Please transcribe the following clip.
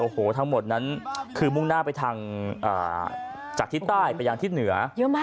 โมงหน้าจากที่ใต้ไปอย่างที่เหนือ